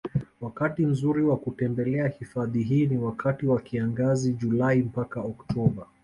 Wakati mzuri wa kutembelea hifadhi hii ni wakati wa kiangazi Julai mpaka Octoba